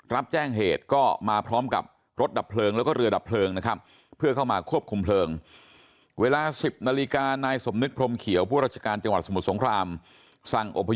รับแจ้งเหตุก็มาพร้อมกับรถดับเพลิงแล้วก็เรือดับเพลิงนะครับ